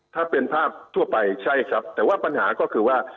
ถ้าเป็นภาพทั่วไปใช่ครับแต่ว่าปัญหาก็คือว่า